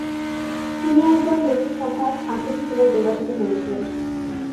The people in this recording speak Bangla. তিনি একবার লোকসভা সাংসদ হিসেবে নির্বাচিত হয়েছিলেন।